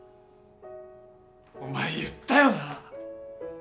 お前言ったよな？